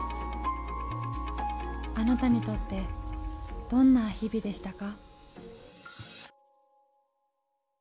あなたにとってどんな日々でしたか？